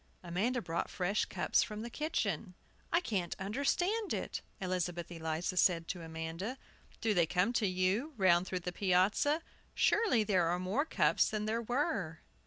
Amanda brought fresh cups from the kitchen. "I can't understand it," Elizabeth Eliza said to Amanda. "Do they come back to you, round through the piazza? Surely there are more cups than there were!"